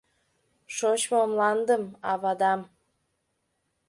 Шочмо мландым-авадам